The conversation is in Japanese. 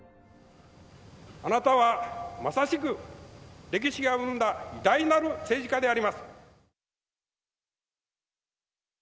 あなたはまさしく、歴史が生んだ偉大なる政治家であります。